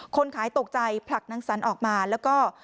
คนขายตกใจผลักนางสรรออกมาแล้วก็